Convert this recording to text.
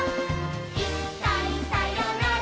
「いっかいさよなら